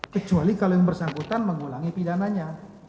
kecuali kalau yang bersangkutan mengulangi pidananya